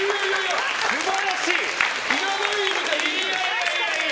いやいや！